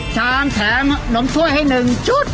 ๑๐ชามแถมหนมถ้วยให้๑ชุด